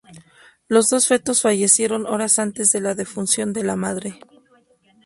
Los dos fetos fallecieron horas antes de la defunción de la madre.